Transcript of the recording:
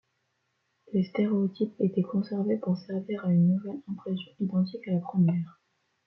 Les stéréotypes étaient conservés pour servir à une nouvelle impression identique à la première.